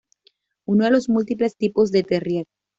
Uno de los múltiples tipos de Terrier.